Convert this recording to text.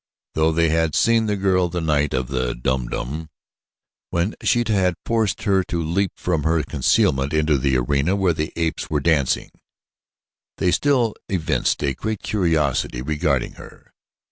Though they had seen the girl the night of the Dum Dum when Sheeta had forced her to leap from her concealment into the arena where the apes were dancing, they still evinced a great curiosity regarding her.